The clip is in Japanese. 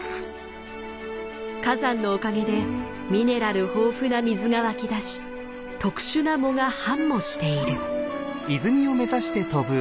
火山のおかげでミネラル豊富な水が湧き出し特殊な藻が繁茂している。